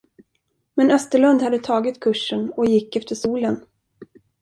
Men Österlund hade tagit kursen och gick efter solen.